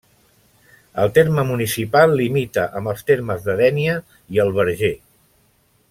El terme municipal limita amb els termes de Dénia i el Verger.